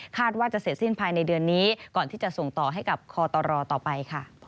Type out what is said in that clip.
ว่าจะเสร็จสิ้นภายในเดือนนี้ก่อนที่จะส่งต่อให้กับคอตรต่อไปค่ะ